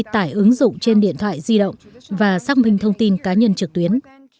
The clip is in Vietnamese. tải ứng dụng trên điện thoại di động và xác minh thông tin cá nhân trực tuyến